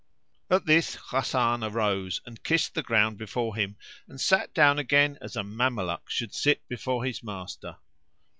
At this Hasan arose and kissed the ground before him and sat down again as a Mameluke should sit before his master.